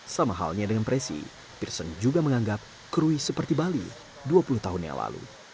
sama halnya dengan presi peerson juga menganggap krui seperti bali dua puluh tahun yang lalu